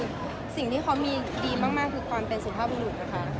ว่าหนึ่งที่เขามีดีมากคือตอนเป็นสินทราบบุรุษนะคะ